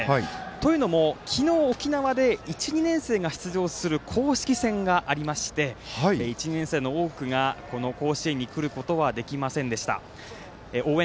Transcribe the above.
というのも昨日沖縄で１、２年生が出場する公式戦がありまして１２年生の多くがこの甲子園に来ることができませんでした。